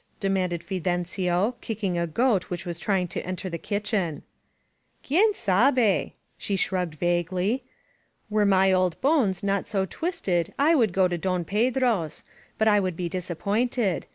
demanded Fidencio, kick ^g A goat which was trying to enter the kitchen. Qvien sabet she shrugged vaguely. Were my old bones not so twisted I would go to Don Pedro's. But I would be disappointed.